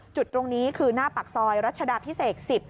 จุดตรงนี้คือหน้าปากซอยรัชดาพิเศษ๑๐